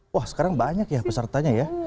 wah sekarang banyak ya pesertanya ya